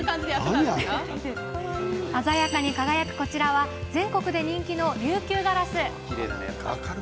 鮮やかに輝く、こちらは全国で人気の琉球ガラス。